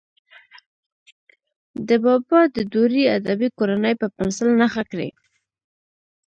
د بابا د دورې ادبي کورنۍ په پنسل نښه کړئ.